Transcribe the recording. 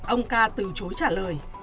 ông ca từ chối trả lời